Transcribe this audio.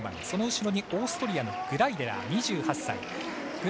その後ろにオーストリアのグライデラー、２８歳。